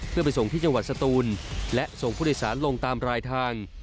เพื่อไปส่งที่จังหวัดสตูนและส่งผู้โดยสารลงตามรายทาง